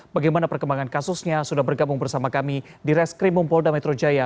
bagaimana perkembangan kasusnya sudah bergabung bersama kami di reskrimum polda metro jaya